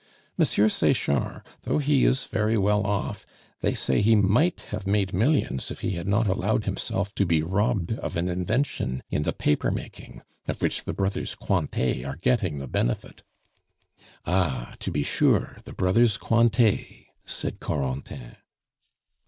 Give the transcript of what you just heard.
Monsieur Sechard, though he is very well off they say he might have made millions if he had not allowed himself to be robbed of an invention in the paper making of which the brothers Cointet are getting the benefit " "Ah, to be sure, the Brothers Cointet!" said Corentin.